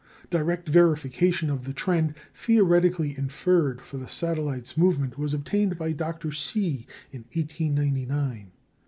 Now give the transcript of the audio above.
Direct verification of the trend theoretically inferred for the satellite's movement was obtained by Dr. See in 1899.